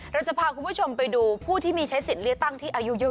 เราจะพาคุณผู้ชมไปดูผู้ที่มีใช้สิทธิ์เลือกตั้งที่อายุเยอะ